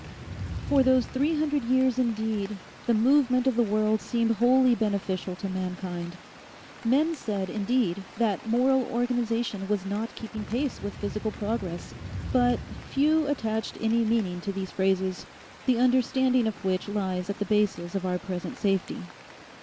For those three hundred years, indeed, the movement of the world seemed wholly beneficial to mankind. Men said, indeed, that moral organisation was not keeping pace with physical progress, but few attached any meaning to these phrases, the understanding of which lies at the basis of our present safety.